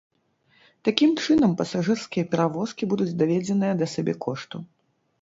Такім чынам пасажырскія перавозкі будуць даведзеныя да сабекошту.